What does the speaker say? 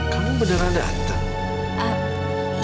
kamu beneran dateng